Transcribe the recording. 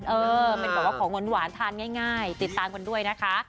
เออเป็นแบบว่าของหวานทานง่ายติดตามกันด้วยนะคะ